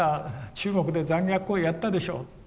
中国で残虐行為やったでしょう。